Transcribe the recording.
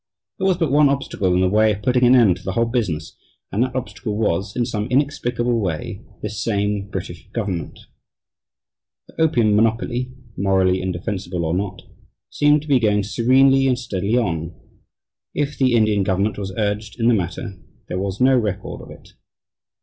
There was but one obstacle in the way of putting an end to the whole business; and that obstacle was, in some inexplicable way, this same British government. The opium monopoly, morally indefensible or not, seemed to be going serenely and steadily on. If the Indian government was urged in the matter, there was no record of it.